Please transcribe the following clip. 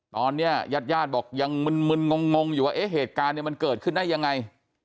ตอนนี้ยาดบอกยังมึนงงอยู่ว่าเหตุการณ์มันเกิดขึ้นได้ยังไง